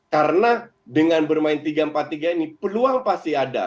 karena dengan bermain tiga empat tiga ini peluang pasti ada